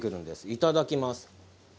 いただきます。